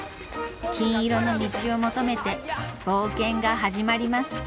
金色の道を求めて冒険が始まります。